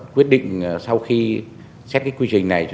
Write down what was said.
quyết định sau khi xét cái quy trình này